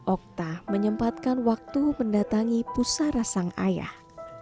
okta menyempatkan waktu mendatangi pusara sang ayah